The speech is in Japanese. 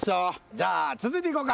じゃあ続いていこうか。